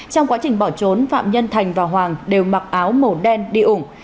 trong quá trình bỏ trốn phạm nhân thành và hoàng đều mặc áo màu đen đi ủng